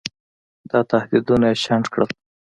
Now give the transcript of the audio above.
دا تهدیدونه یې شنډ کړل.